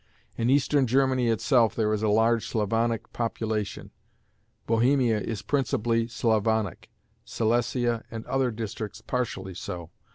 In Eastern Germany itself there is a large Slavonic population; Bohemia is principally Slavonic, Silesia and other districts partially so.